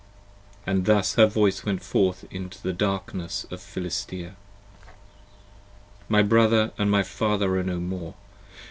30 And thus her voice went forth in the darkness of Philisthea. My brother & my father are no more!